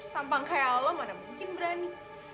tampang kayak allah mana mungkin berani